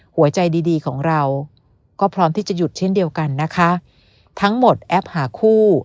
หัวใจดีดีของเราก็พร้อมที่จะหยุดเช่นเดียวกันนะคะทั้งหมดแอปหาคู่